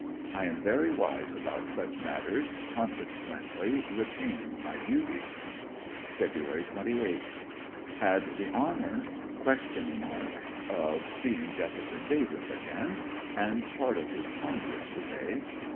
I am very wise about such matters, consequently retain my beauty. Feb. ^8.— Had the honor (?) of seeing Jefferson Davis again and part of his congress to day.